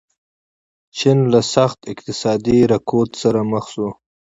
چین له سخت اقتصادي رکود سره مخ شو.